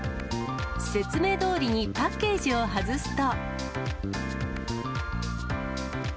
説明どおりにパッケージを外すと。